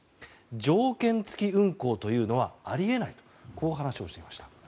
条件付き運航というのはあり得ないとこう話をしていました。